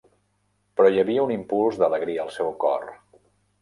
Però hi havia un impuls d'alegria al seu cor.